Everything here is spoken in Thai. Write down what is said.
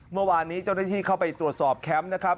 เมื่อวานนี้เจ้าหน้าที่เข้าไปตรวจสอบแคมป์นะครับ